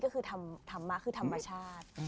ก็คือธรรมะคือธรรมชาติ